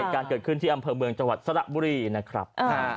การเกิดขึ้นที่อำเภอเมืองจังหวัดสระบุรีนะครับ